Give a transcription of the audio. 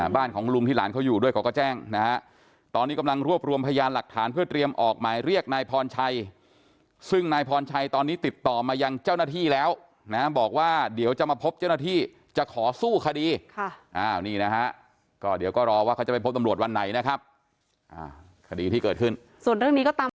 บ้านของลุงที่หลานเขาอยู่ด้วยเขาก็แจ้งนะฮะตอนนี้กำลังรวบรวมพยานหลักฐานเพื่อเตรียมออกหมายเรียกนายพรชัยซึ่งนายพรชัยตอนนี้ติดต่อมายังเจ้าหน้าที่แล้วนะบอกว่าเดี๋ยวจะมาพบเจ้าหน้าที่จะขอสู้คดีค่ะอ้าวนี่นะฮะก็เดี๋ยวก็รอว่าเขาจะไปพบตำรวจวันไหนนะครับคดีที่เกิดขึ้นส่วนเรื่องนี้ก็ตาม